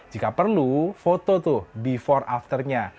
jika perlu foto tuh before afternya